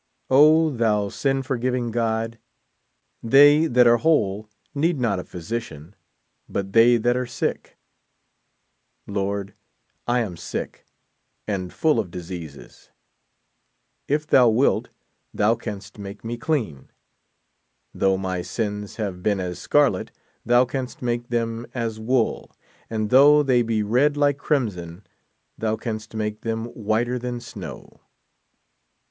O, thou sin forgiving God, they that are whole need not a physician, but they that are sick. Lord, I am sick, and full of diseases. If thou wilt, thou canst make me clean. Though my sins have been as scarlet, thou canst make them as wool ; and though they be read like crim son, thou canst make them whiter than snow.